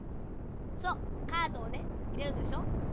そうカードをねいれるでしょ。